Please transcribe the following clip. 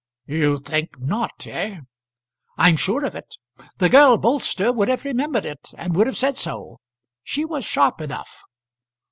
"You think not, eh!" "I'm sure of it. The girl Bolster would have remembered it, and would have said so. She was sharp enough."